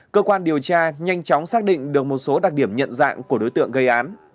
cơ quan điều tra nhanh chóng xác định được một số đặc điểm nhận dạng của đối tượng gây án